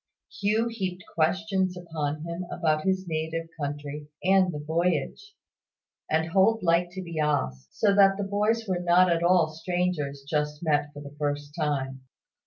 Hugh heaped questions upon him about his native country and the voyage; and Holt liked to be asked: so that the boys were not at all like strangers just met for the first time.